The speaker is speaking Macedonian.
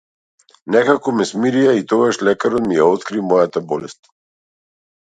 Некако ме смирија и тогаш лекарот ми ја откри мојата болест.